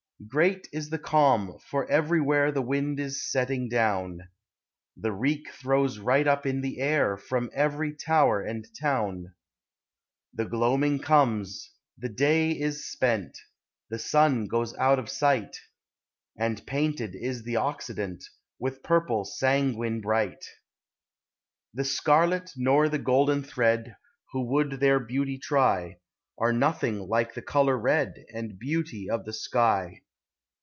Great is the calm, for everywhere The wind is setting down, The reek throws right up in the air From every tower and town. The gloaming eoinos; the <la.\ is spent J The sun goes out of sight ; And painted is the occidenl With purple sanguine bright. 108 POEMS OF NATURE. The scarlet nor the golden thread, Who would their beauty try, Are nothing like the color red And beauty of the sky.